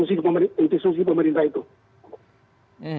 institusi pemerintah itu